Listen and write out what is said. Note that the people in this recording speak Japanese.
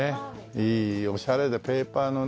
いいオシャレでペーパーのね。